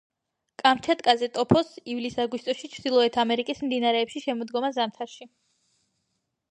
კამჩატკაზე ტოფობს ივლის-აგვისტოში, ჩრდილოეთ ამერიკის მდინარეებში შემოდგომა-ზამთარში.